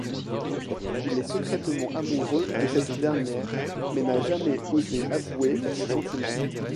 Il est secrètement amoureux de cette dernière mais n'a jamais osé avouer ses sentiments.